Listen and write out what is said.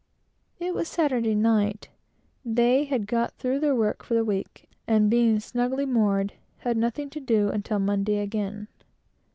It was Saturday night; they had got through with their work for the week; and being snugly moored, had nothing to do until Monday, again.